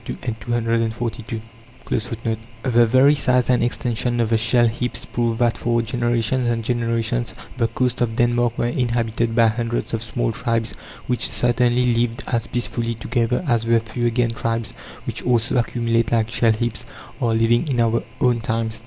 (6) The very size and extension of the shell heaps prove that for generations and generations the coasts of Denmark were inhabited by hundreds of small tribes which certainly lived as peacefully together as the Fuegian tribes, which also accumulate like shellheaps, are living in our own times.